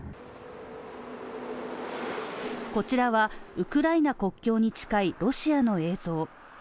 こちらは、ウクライナ国境に近いロシアの映像